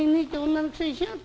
女のくせにしやがって。